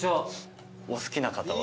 お好きな方は。